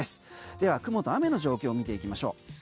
では雲と雨の状況を見ていきましょう。